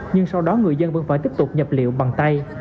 nhưng sau đó người dân vẫn phải tiếp tục nhập liệu bằng tay